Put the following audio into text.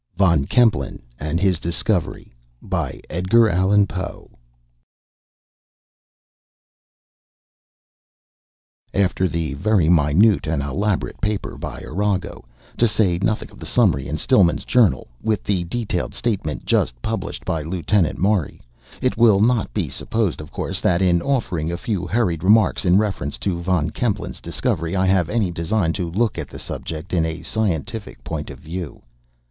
VON KEMPELEN AND HIS DISCOVERY After the very minute and elaborate paper by Arago, to say nothing of the summary in 'Silliman's Journal,' with the detailed statement just published by Lieutenant Maury, it will not be supposed, of course, that in offering a few hurried remarks in reference to Von Kempelen's discovery, I have any design to look at the subject in a scientific point of view.